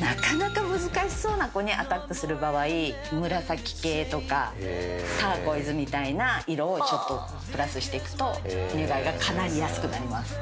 なかなか難しそうな子にアタックする場合紫系とかターコイズみたいな色をちょっとプラスしていくと願いがかないやすくなります。